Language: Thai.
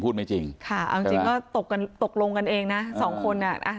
ไม่จริงค่ะเอาจริงจริงก็ตกกันตกลงกันเองนะสองคนอ่ะนะ